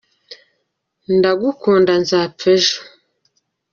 ndagukunda nzapfa ejo